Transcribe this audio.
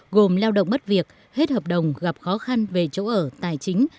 gồm lao động mất việc hết hợp đồng gặp khó khăn về chỗ ở tài chính